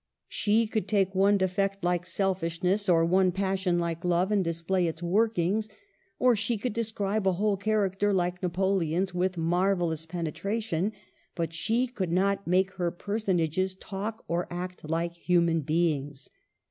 She could take one defect like selfishness, or one; Digitized by VjOOQIC HER WORKS. 239 passion like love, and display its workings ; or she could describe a whole character, like Napo leon's, with marvellous penetration ; but she could not make her personages talk or act like human beings.